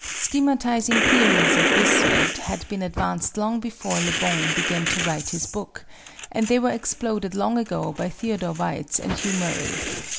Schematizing theories of this sort had been advanced long before LeBon began to write his book, and they were exploded long ago by Theodor Waitz and Hugh Murray.